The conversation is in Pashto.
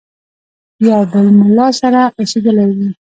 یو بل مُلا سره اوسېدلی وي.